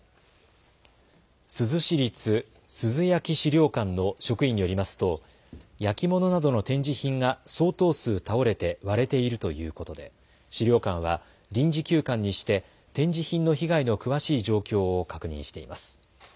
珠洲市立珠洲焼資料館の職員によりますと焼き物などの展示品が相当数倒れて割れているということで資料館は臨時休館にして展示品の被害の詳しい状況を確認しています。